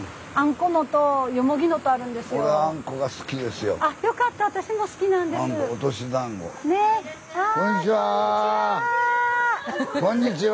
こんにちは。